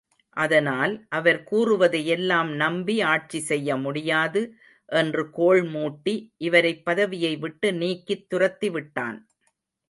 அதனால், அவர் கூறுவதையெல்லாம் நம்பி ஆட்சி செய்யமுடியாது, என்று கோள்மூட்டி, இவரைப் பதவியை விட்டு நீக்கித் துரத்திவிட்டான்!